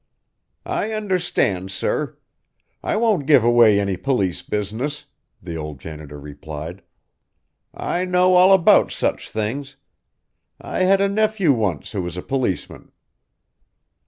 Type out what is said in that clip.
"I understand, sir. I won't give away any police business," the old janitor replied. "I know all about such things. I had a nephew once who was a policeman."